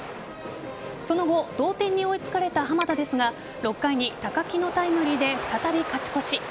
その後同点に追いつかれた浜田ですが６回に高木のタイムリーで再び勝ち越し。